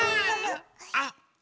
あっ！